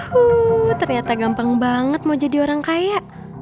wuh ternyata gampang banget mau jadi orang kaya